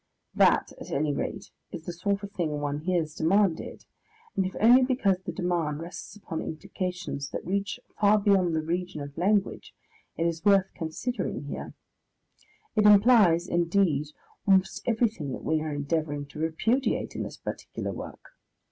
That, at any rate, is the sort of thing one hears demanded, and if only because the demand rests upon implications that reach far beyond the region of language, it is worth considering here. It implies, indeed, almost everything that we are endeavouring to repudiate in this particular work.